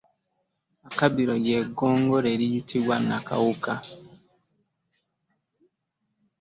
Akabbiro lye Ggongolo eriyitibwa Nakawuka.